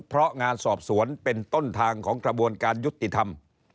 เพราะงานสอบสวนเป็นต้นทางของกระบวนการยุติธรรม